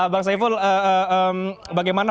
bang saiful bagaimana